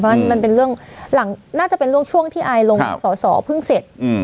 เพราะฉะนั้นมันเป็นเรื่องน่าจะเป็นเรื่องช่วงที่ไอ้ลงสอสอเพิ่งเสร็จ